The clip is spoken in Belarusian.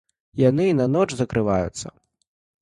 Яны і на ноч закрываюцца.